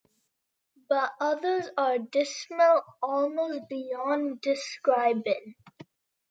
But others are dismal almost beyond describin.